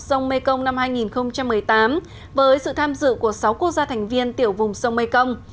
sông mê công năm hai nghìn một mươi tám với sự tham dự của sáu quốc gia thành viên tiểu vùng sông mê công